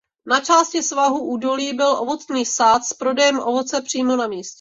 Na části svahu údolí byl ovocný sad s prodejem ovoce přímo na místě.